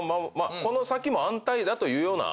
この先も安泰だというような感じですよね。